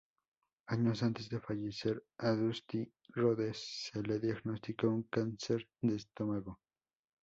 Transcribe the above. Años antes de fallecer, a Dusty Rhodes se le diagnosticó un cáncer de estómago.